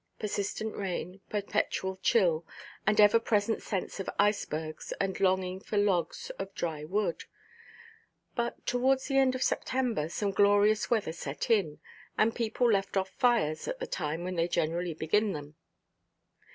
Persistent rain, perpetual chill, and ever–present sense of icebergs, and longing for logs of dry wood. But towards the end of September some glorious weather set in; and people left off fires at the time when they generally begin them.